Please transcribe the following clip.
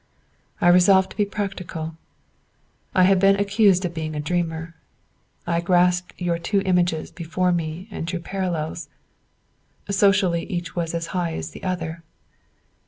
I resolved to be practical; I have been accused of being a dreamer. I grasped your two images before me and drew parallels. Socially each was as high as the other.